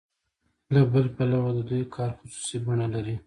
له بل پلوه د دوی کار خصوصي بڼه لري